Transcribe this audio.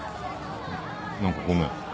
何かごめん。